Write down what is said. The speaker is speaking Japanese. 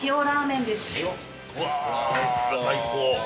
うわ！最高！